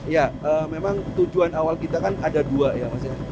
ya memang tujuan awal kita kan ada dua ya mas ya